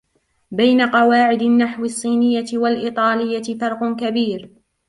بين قواعد النحو الصينية و الإيطالية فرق كبير.